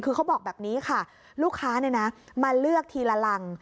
คือเขาบอกแบบนี้ค่ะลูกค้ามาเลือกทีละรัง